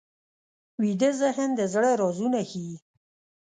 ویده ذهن د زړه رازونه ښيي